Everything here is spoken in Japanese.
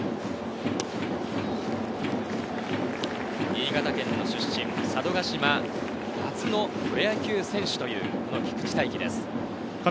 新潟県出身佐渡島初のプロ野球選手という菊地大稀です。